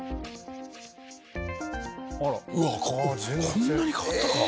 こんなに変わったか。